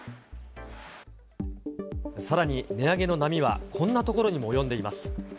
さらに値上げの波はこんなところにも及んでいます。